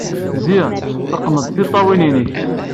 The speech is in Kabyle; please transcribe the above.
Zzi, teqqned tiṭṭawin-nnek.